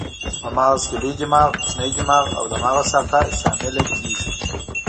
په مغز کې لوی دماغ، کوچنی دماغ او د مغز ساقه شامله کېږي.